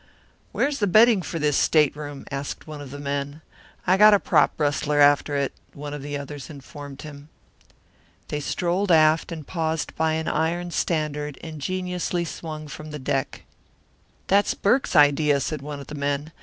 "Where's the bedding for this stateroom?" asked one of the men. "I got a prop rustler after it," one of the others informed him. They strolled aft and paused by an iron standard ingeniously swung from the deck. "That's Burke's idea," said one of the men.